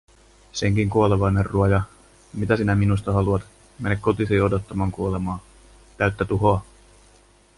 "senkin kuolevainen ruoja, mitä sinä minusta haluat, mene kotiisi odottamaan kuolemaa, täyttä tuhoa!"